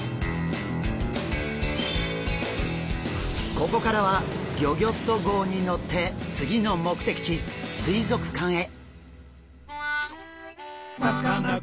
ここからはギョギョッと号に乗って次の目的地水族館へ！